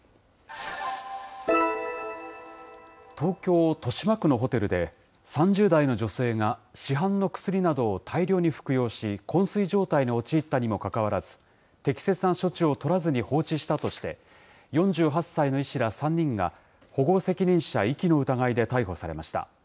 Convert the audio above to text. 東京・豊島区のホテルで、３０代の女性が市販の薬などを大量に服用し、こん睡状態に陥ったにもかかわらず、適切な処置を取らずに放置したとして、４８歳の医師ら３人が、保護責任者遺棄の疑いで逮捕されました。